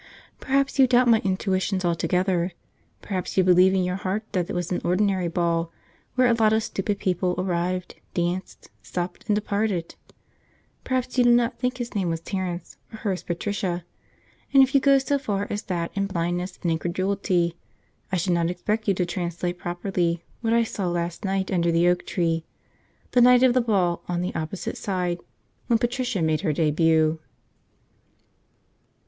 Perhaps you doubt my intuitions altogether. Perhaps you believe in your heart that it was an ordinary ball, where a lot of stupid people arrived, danced, supped, and departed. Perhaps you do not think his name was Terence or hers Patricia, and if you go so far as that in blindness and incredulity I should not expect you to translate properly what I saw last night under the oak tree, the night of the ball on the opposite side, when Patricia made her debut.